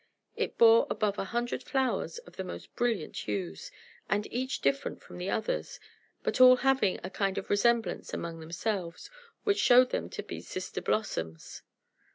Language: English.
It bore above a hundred flowers of the most brilliant hues, and each different from the others, but all having a kind of resemblance among themselves, which showed them to be sister blossoms.